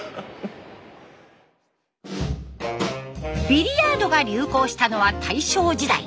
ビリヤードが流行したのは大正時代。